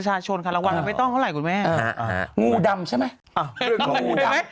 เนี่ยฉันว่าไม่ได้รางวัลก็เพราะอย่างนี้